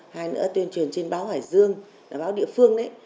hai nữa tuyên truyền trên báo hải dương báo địa phương đấy